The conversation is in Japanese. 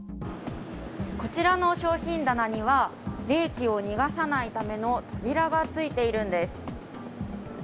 こちらの商品棚には冷気を逃がさないための扉がついているんです。